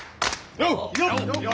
よっ！